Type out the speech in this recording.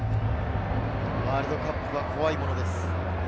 ワールドカップは怖いものです。